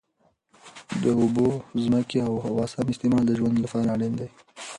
د اوبو، ځمکې او هوا سم استعمال د ژوند لپاره اړین دی.